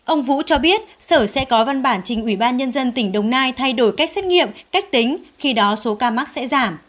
ông vũ cho biết sở sẽ có văn bản trình ủy ban nhân dân tỉnh đồng nai thay đổi cách xét nghiệm cách tính khi đó số ca mắc sẽ giảm